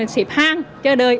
xếp hang chờ đợi